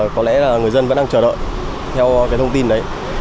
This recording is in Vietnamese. có lẽ là người dân vẫn đang chờ đợi theo cái thông tin đấy